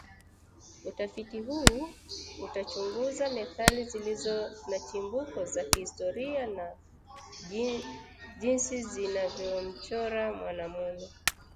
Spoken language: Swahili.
Utafiti huu utachunguza methali zilizo na chimbuko za kihistoria na jinsi zinavyomchora mwanamume